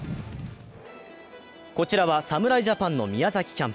こちらは侍ジャパンの宮崎キャンプ。